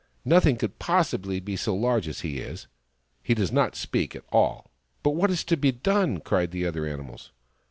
Nothing could possibly be so large as he is. He does not speak at all." " But what is to be done ?" cried the other animals.